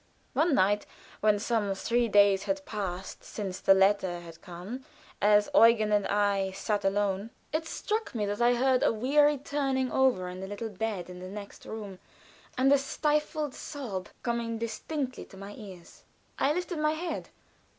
One night when some three days had passed since the letter had come as Eugen and I sat alone, it struck me that I heard a weary turning over in the little bed in the next room, and a stifled sob coming distinctly to my ears. I lifted my head.